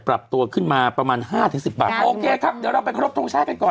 ปรับตัวขึ้นมาประมาณห้าถึงสิบบาทโอเคครับเดี๋ยวเราไปครบทรงชาติกันก่อน